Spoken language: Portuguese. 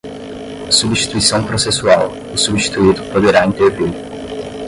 substituição processual, o substituído poderá intervir